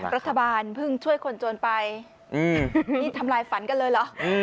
รัฐบาลเพิ่งช่วยคนโจรไปนี่ทำลายฝันกันเลยเหรอ